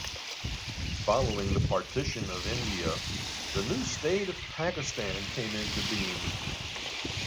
Following the partition of India, the new state of Pakistan came into being.